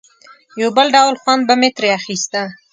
یو بل ډول خوند به مې ترې اخیسته.